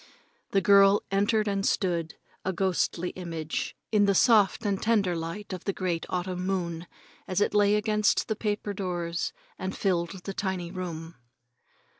The girl entered and stood, a ghostly image, in the soft and tender light of the great autumn moon as it lay against the paper doors and filled the tiny room.